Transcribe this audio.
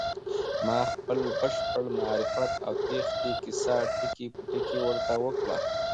ما خپل بشپړ معرفت او تېښتې کيسه ټکی په ټکی ورته وکړه.